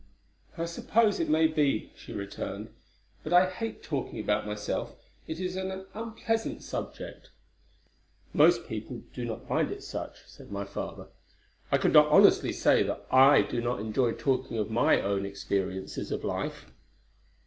"I suppose it may be," she returned. "But I hate talking about myself: it is an unpleasant subject." "Most people do not find it such," said my father. "I could not honestly say that I do not enjoy talking of my own experiences of life."